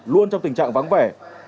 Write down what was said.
luôn trong tình trạng vắng vẻ